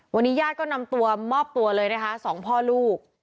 วันนี้ญาติก็นำตัวมอบตัวเลยนะคะสองพ่อลูก